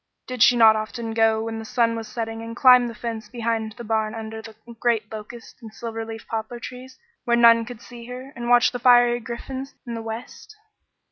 Did she not often go when the sun was setting and climb the fence behind the barn under the great locust and silver leaf poplar trees, where none could see her, and watch the fiery griffins in the west?